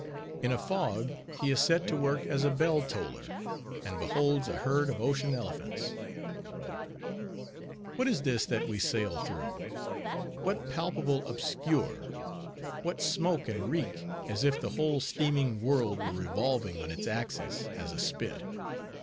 IN A FOG HE IS SET TO WORK AS A BELL TOLLER, AND BEHOLDS A HERD OF OCEAN ELEPHANTS What is this that we sail through? What palpable obscure? What smoke and reek, as if the whole steaming world were revolving on its axis, as a spit?